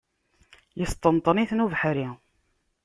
Yesṭenṭen-itent ubeḥri.